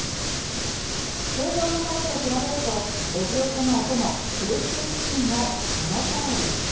通常のものと比べると、レジ横のお供、クリスピーチキンもこのとおり。